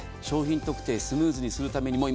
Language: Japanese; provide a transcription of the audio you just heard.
商品特定スムーズにするために。